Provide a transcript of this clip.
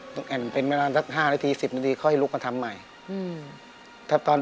ต้องแอนเป็นเวลาหลัง๕๑๐นาทีก็ให้ลุกมาทำใหม่